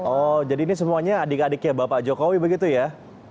oh jadi ini semuanya adik adiknya bapak jokowi begitu ya